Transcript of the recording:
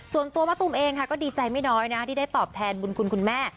ส่วนตัวมะตูมเองค่ะก็ดีใจไม่น้อยนะที่ได้ตอบแทนบุญคุณคุณแม่